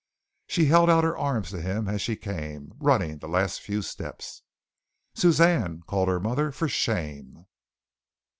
She held out her arms to him as she came, running the last few steps. "Suzanne!" called her mother. "For shame!"